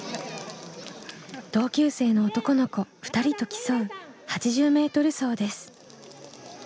同級生の男の子２人と競う８０ｍ走です。